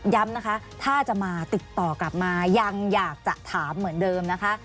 ย้ำนะคะถ้าจะมาติดต่อกลับมายังอยากจะถามเหมือนเดิมนะคะ